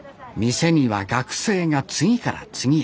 店には学生が次から次へ。